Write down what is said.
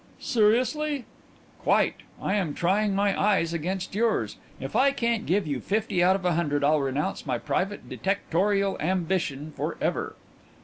"Seriously?" "Quite. I am trying my eyes against yours. If I can't give you fifty out of a hundred I'll renounce my private detectorial ambition for ever."